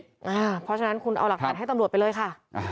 เพราะฉะนั้นคุณเอาหลักฐานให้ตำรวจไปเลยค่ะ